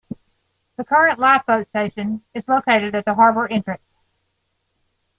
The current lifeboat station is located at the harbour entrance.